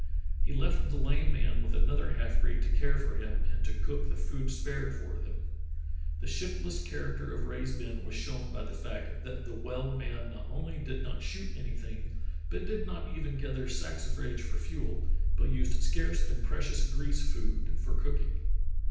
He left the lame man with another half breed to care for him and to cook the food spared for them. The shiftless char acter of Rae's men was shown by the fact that the well man not only did not shoot anything but did not even gather saxifrage for fuel, but used scarce and precious grease food for cooking.